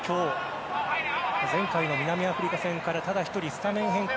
前回の南アフリカ戦からただ１人スタメン変更。